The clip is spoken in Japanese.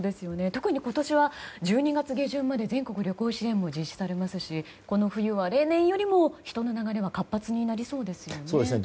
特に今年は１２月下旬まで全国旅行支援も実施されますしこの冬は例年よりも人の流れは活発になりそうですよね。